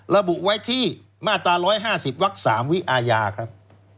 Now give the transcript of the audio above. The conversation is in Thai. ระบุไว้ที่มาตรา๑๕๐วัก๓วิอาญาครับ